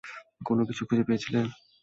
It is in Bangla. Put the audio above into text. কোনোকিছু খুঁজে পেয়েছিলি?